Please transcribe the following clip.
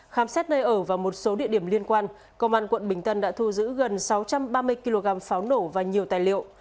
khám xét nơi ở và một số địa điểm liên quan công an quận bình tân đã thu giữ gần sáu trăm ba mươi kg pháo nổ và nhiều tài liệu